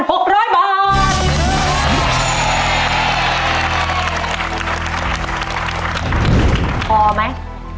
พอมั้ย